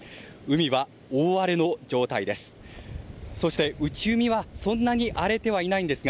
海は大荒れの状態です。